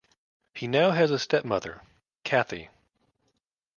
He now has a stepmother, Cathy.